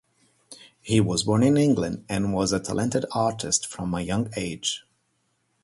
He was born in England and was a talented artist from a young age.